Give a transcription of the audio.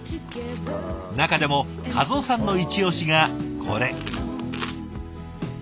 中でも一男さんの一押しがこれ。